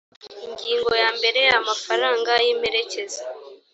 ingingo ya mbere amafaranga y imperekeza